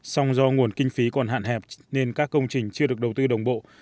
song do nguồn kinh phí còn hạn hẹp nên các công trình chưa được đầu tư đồng bộ